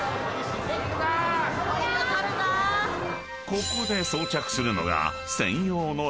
［ここで装着するのが］